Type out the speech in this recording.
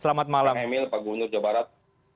selamat malam emil pak gubernur jawa barat